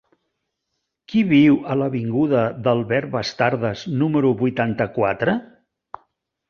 Qui viu a l'avinguda d'Albert Bastardas número vuitanta-quatre?